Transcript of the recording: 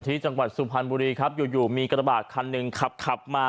ที่จังหวัดสุพรรณบุรีครับอยู่มีกระบาดคันหนึ่งขับมา